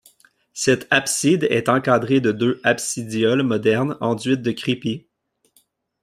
Cette abside est encadrée de deux absidioles modernes enduites de crépi.